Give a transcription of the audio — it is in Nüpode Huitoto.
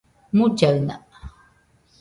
mullaɨna